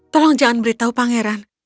tolong jangan beritahu pangeran